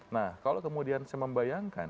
nah kalau kemudian saya membayangkan